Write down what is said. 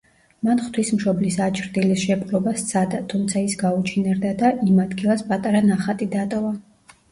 მან ღვთისმშობლის აჩრდილის შეპყრობა სცადა, თუმცა ის გაუჩინარდა და იმ ადგილას პატარა ნახატი დატოვა.